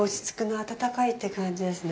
温かいって感じですね。